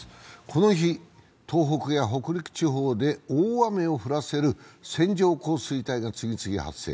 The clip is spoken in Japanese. この日、東北や北陸地方で大雨を降らせる線状降水帯が次々発生。